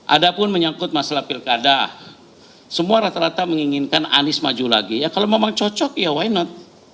ada pun menyangkut masalah pilkada semua rata rata menginginkan anies maju lagi ya kalau memang cocok ya why not